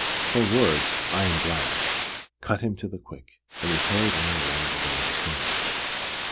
Her words, "I am glad," cut him to the quick, and he hurried on along the way of atonement.